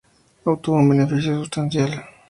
Obtuvo un beneficio sustancial.